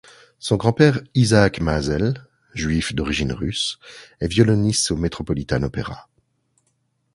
Son grand-père Isaac Maazel, juif d'origine russe, est violoniste au Metropolitan Opera.